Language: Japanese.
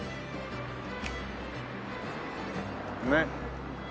ねっ。